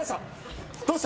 どうした？